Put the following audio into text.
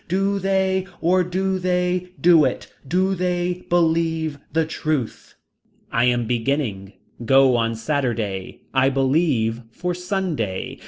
Do they or do they do it. Do they believe the truth. I am beginning. Go on Saturday. I believe for Sunday.